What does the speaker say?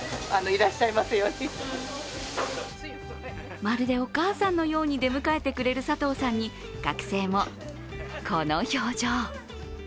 まるでお母さんのように出迎えてくれる佐藤さんに学生も、この表情。